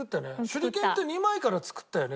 手裏剣って２枚から作ったよね？